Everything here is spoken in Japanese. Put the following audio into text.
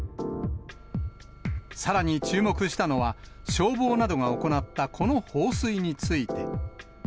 さらに注目したのは、消防などが行ったこの放水について。